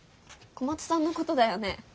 小松さんのことだよね？